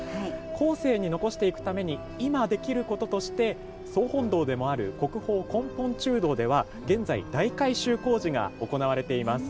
後世に残していくために今、できることとして総本堂でもある国宝・根本中堂では現在、大改修工事が行われています。